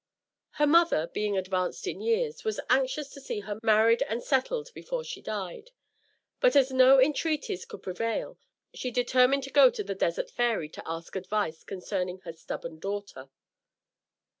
Her mother, being advanced in years, was anxious to see her married and settled before she died; but as no entreaties could prevail, she determined to go to the Desert Fairy to ask advice concerning her stubborn daughter.